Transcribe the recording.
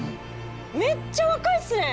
めっちゃ若いっすね！